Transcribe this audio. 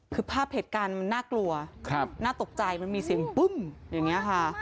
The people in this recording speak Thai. คือภาพเหตุการณ์มันน่ากลัวน่าตกใจมันมีเสียงปึ้มอย่างนี้ค่ะ